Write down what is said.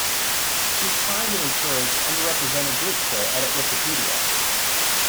She's trying to encourage underrepresented groups to edit Wikipedia